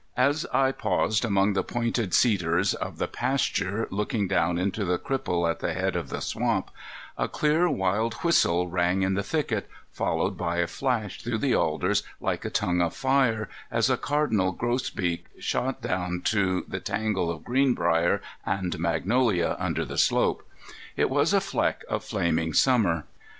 As I paused among the pointed cedars of the pasture, looking down into the cripple at the head of the swamp, a clear wild whistle rang in the thicket, followed by a flash through the alders like a tongue of fire, as a cardinal grosbeak shot down to the tangle of greenbrier and magnolia under the slope. It was a fleck of flaming summer.